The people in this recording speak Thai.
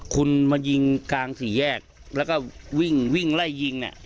คุณมายิงกลางสี่แยกแล้วก็วิ่งวิ่งไล่ยิงเนี่ย